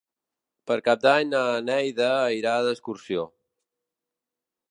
Per Cap d'Any na Neida irà d'excursió.